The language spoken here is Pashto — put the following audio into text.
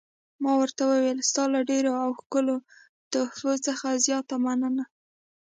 ما ورته وویل: ستا له ډېرو او ښکلو تحفو څخه زیاته مننه.